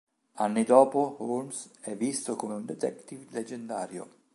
Anni dopo, Holmes è visto come un detective leggendario.